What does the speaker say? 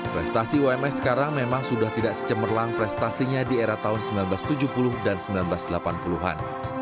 prestasi ums sekarang memang sudah tidak secemerlang prestasinya di era tahun seribu sembilan ratus tujuh puluh dan seribu sembilan ratus delapan puluh an